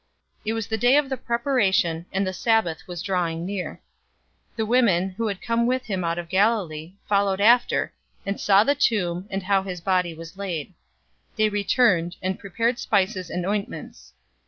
023:054 It was the day of the Preparation, and the Sabbath was drawing near. 023:055 The women, who had come with him out of Galilee, followed after, and saw the tomb, and how his body was laid. 023:056 They returned, and prepared spices and ointments.